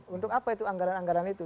untuk apa itu anggaran anggaran itu